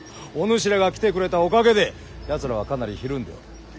おぬしらが来てくれたおかげでやつらはかなりひるんでおる。